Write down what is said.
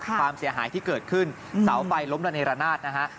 ความเสียหายที่เกิดขึ้นเสาไฟล้มระเนรนาศนะฮะ